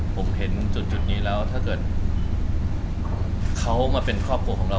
ผมเห็นจุดนี้แล้วถ้าเกิดเขามาเป็นครอบครัวของเรา